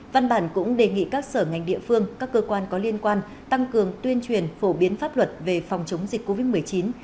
văn bản cũng đề nghị các sở ngành địa phương các cơ quan có liên quan tăng cường tuyên truyền phổ biến pháp luật về phòng chống dịch covid một mươi chín